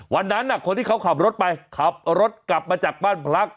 วันนั้นคนที่เขาขับรถไปขับรถกลับมาจากบ้านพัก